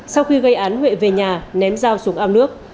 sau khi gây án huệ về nhà ném dao xuống ao nước